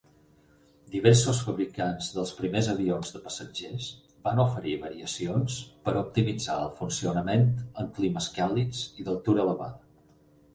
Diversos fabricants dels primers avions de passatgers van oferir variacions per optimitzar el funcionament en climes càlids i d'altura elevada.